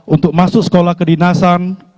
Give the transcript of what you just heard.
untuk masuk sekolah kedinasan